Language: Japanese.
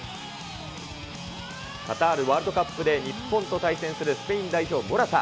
カタールワールドカップで日本と対戦するスペイン代表、モラタ。